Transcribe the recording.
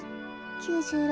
９６。